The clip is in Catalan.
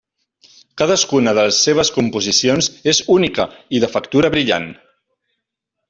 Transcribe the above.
Cadascuna de les seves composicions és única, i de factura brillant.